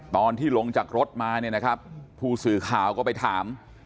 ตอนที่ลงจากรถมาเนี่ยนะครับผู้สื่อข่าวก็ไปถาม